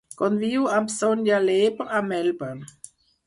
Conviu amb Sonia Leber a Melbourne.